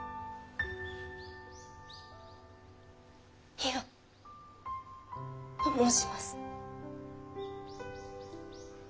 美代と申します。